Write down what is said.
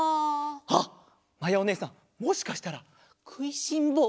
あっまやおねえさんもしかしたらくいしんぼうな